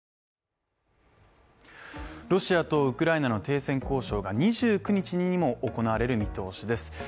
ロシアとウクライナの停戦交渉が２９日にも行われる見通しです。